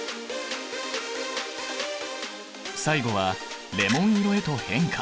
最後はレモン色へと変化！